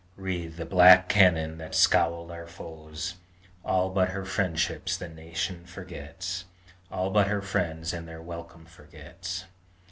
Wreathe the black cannon that scowled on our foes, All but her friendships the nation forgets! All but her friends and their welcome forgets!